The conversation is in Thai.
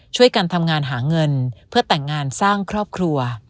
ช่วยกันทำงานหาเงินเพื่อแต่งงานสร้างครอบครัว